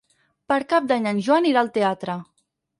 Per Cap d'Any en Joan irà al teatre.